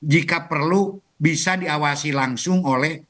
jika perlu bisa diawasi langsung oleh